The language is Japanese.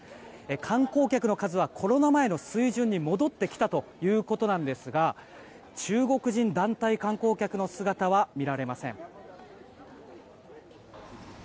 観光客の数は、コロナ前の水準に戻ってきたということなんですが中国人団体観光客の姿は見られません。